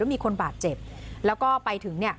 มีคนบาดเจ็บแล้วก็ไปถึงเนี่ย